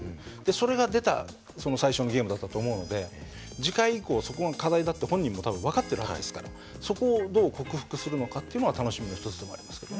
それが出た最初のゲームだったと思うので次回以降そこが課題だって本人も多分分かってるはずですからそこをどう克服するのかっていうのは楽しみの一つでもありますけどね。